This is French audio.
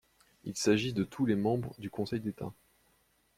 Il s'agit de tous les membres du Conseil d'État.